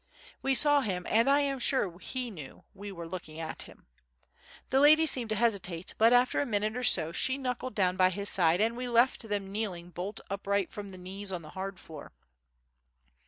We saw him and I am sure he knew we were looking at him. The lady seemed to hesitate but, after a minute or so, she knuckled down by his side and we left them kneeling bolt upright from the knees on the hard floor.